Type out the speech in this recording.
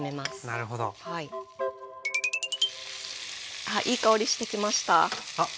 あっいい香りしてきました。